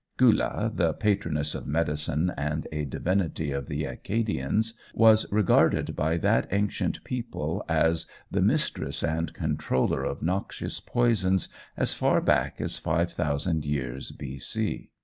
Gula, the patroness of medicine and a divinity of the Accadians, was regarded by that ancient people as "the mistress and controller of noxious poisons" as far back as 5000 years B.C.